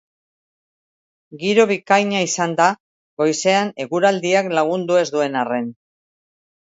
Giro bikaina izan da, goizean eguraldiak lagundu ez duen arren.